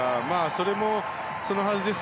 それもそのはずです。